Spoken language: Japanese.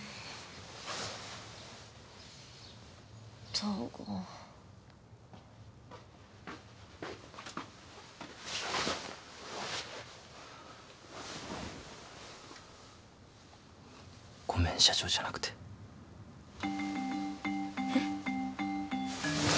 東郷ごめん社長じゃなくてえっ？